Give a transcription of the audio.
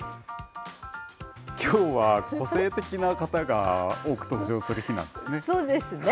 きょうは個性的な方が多く登場する日なんですね。